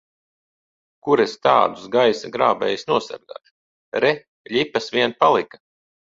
Kur es tādus gaisa grābējus nosargāšu! Re, ļipas vien palika!